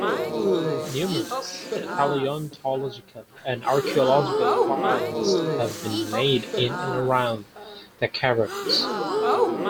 Numerous paleontological and archaeological finds have been made in and around the caverns.